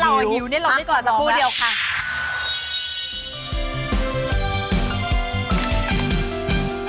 จริงเพราะเราฮิวเนี่ยเราได้ก่อนสักครู่เดียวค่ะพักก่อนสักครู่